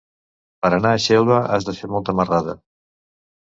Per anar a Xelva has de fer molta marrada.